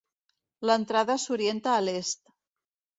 L'entrada s'orienta a l'est.